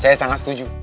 saya sangat setuju